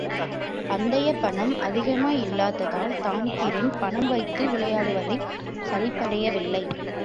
பந்தயப் பணம் அதிகமாயில்லாதால் தான்பிரீன் பணம்வைத்து விளையாடுவதில் சலிப்படையவில்லை.